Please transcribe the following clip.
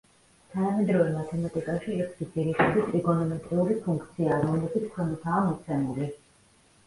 თანამედროვე მათემატიკაში ექვსი ძირითადი ტრიგონომეტრიული ფუნქციაა, რომლებიც ქვემოთაა მოცემული.